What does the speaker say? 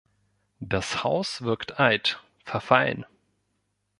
Das Haus wirkt alt, verfallen.